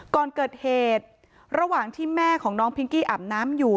ก่อนเกิดเหตุระหว่างที่แม่ของน้องพิงกี้อาบน้ำอยู่